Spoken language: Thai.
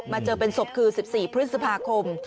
เจอเป็นศพคือ๑๔พฤษภาคม